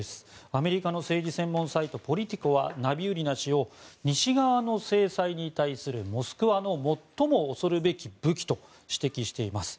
アメリカの政治専門サイトポリティコはナビウリナ氏を西側の制裁に対するモスクワの最も恐るべき武器と指摘しています。